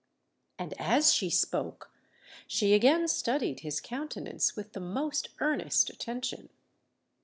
And, as she spoke, she again studied his countenance with the most earnest attention.